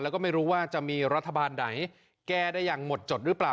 แล้วก็ไม่รู้ว่าจะมีรัฐบาลไหนแก้ได้อย่างหมดจดหรือเปล่า